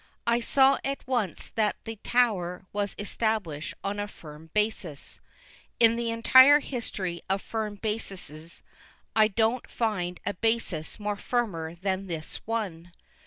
I saw at once that the Tower was established on a firm basis. In the entire history of firm basises, I don't find a basis more firmer than this one.